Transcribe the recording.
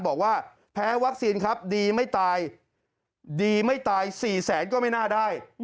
บอกว่าแพ้วัคซีนครับดีไม่ตายดีไม่ตาย๔แสนก็ไม่น่าได้